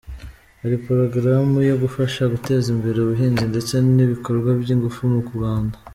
Hari porogaramu yo gufasha guteza imbere ubuhinzi ndetse n’ibikorwa by’ingufu mu Rwanda.